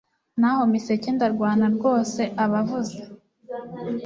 NNaho Miseke ndarwana rwoseaba avuze